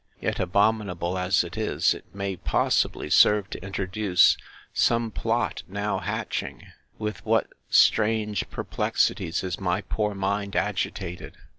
Yet, abominable as it is, it may possibly serve to introduce some plot now hatching!—With what strange perplexities is my poor mind agitated!